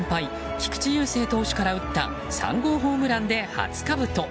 菊池雄星投手から打った３号ホームランで初かぶと。